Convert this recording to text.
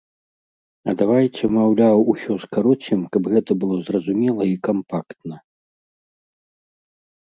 А давайце, маўляў, усё скароцім, каб гэта было зразумела і кампактна.